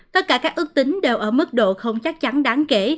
tất cả các ước tính đều ở mức độ không chắc chắn đáng kể